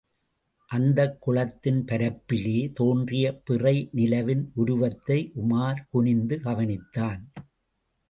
அந்தக்குளத்தின் பரப்பிலே தோன்றிய பிறை நிலவின் உருவத்தை உமார் குனிந்து கவனித்தான்.